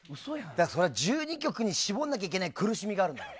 それは１２曲に絞らなきゃいけない苦しみがあるんだから。